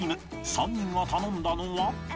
３人が頼んだのは